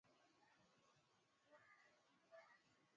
za watu hao zilichochea waumini wenzao pia kuwa waaminifu katika